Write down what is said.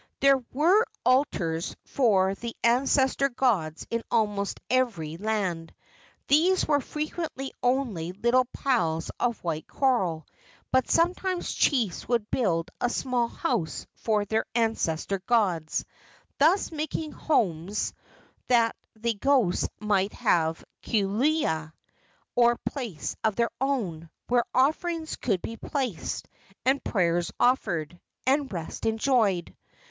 There were altars for the ancestor gods in almost every land. These were frequently only little piles of white coral, but sometimes chiefs would build a small house for their ancestor gods, thus making homes that the ghosts might have a kuleana, or place of their own, where offerings could be placed, and prayers offered, and rest enjoyed.